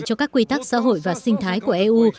cho các quy tắc xã hội và sinh thái của eu